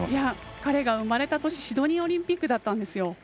彼が生まれた年シドニーオリンピックだったんです。